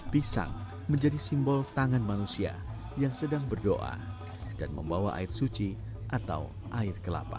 pisang menjadi simbol tangan manusia yang sedang berdoa dan membawa air suci atau air kelapa